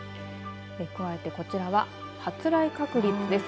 加えて、こちらは発雷確率です。